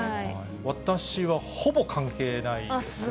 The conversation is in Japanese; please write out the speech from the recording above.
私は、ほぼ関係ないですね。